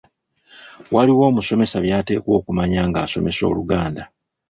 Waliwo omusomesa by’ateekwa okumanya ng’asomesa Oluganda.